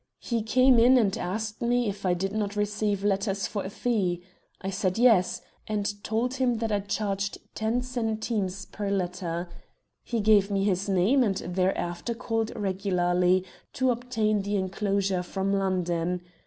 He came in and asked me if I did not receive letters for a fee. I said 'Yes,' and told him that I charged ten centimes per letter. He gave me his name, and thereafter called regularly to obtain the enclosure from London.